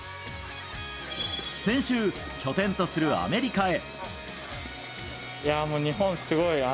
先週、拠点とするアメリカへ。